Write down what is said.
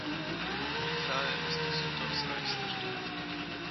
Wittlaer ist Düsseldorfs reichster Stadtteil.